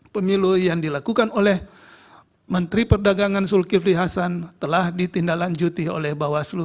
pemilu yang dilakukan oleh menteri perdagangan zulkifli hasan telah ditindaklanjuti oleh bawaslu